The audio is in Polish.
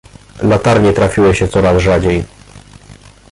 "Latarnie trafiały się coraz rzadziej."